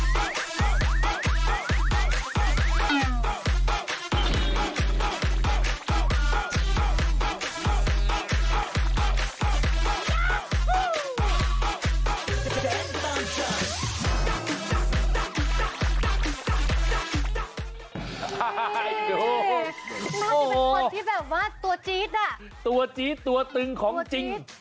น่าจะเป็นคนที่แบบว่าตัวจี๊ดอ่ะตัวจี๊ดตัวตึงของจริง